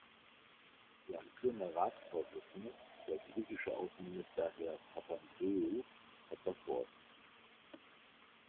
Der amtierende Ratsvorsitzende, der griechische Außenminister Herr Papandreou, hat das Wort.